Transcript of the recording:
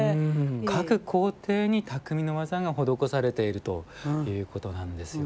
各工程に匠の技が施されているということなんですよね。